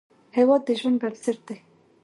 هیواد د ژوند بنسټ دی